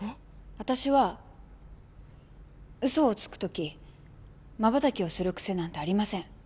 わたしは嘘をつくときまばたきをする癖なんてありません。